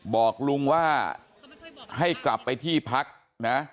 บอกลุงว่าให้กลับไปที่พักนะ